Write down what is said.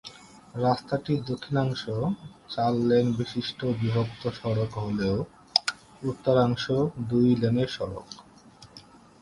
রাস্তাটির দক্ষিণাংশ চার-লেন বিশিষ্ট বিভক্ত সড়ক হলেও উত্তরাংশ দুই-লেনের সড়ক।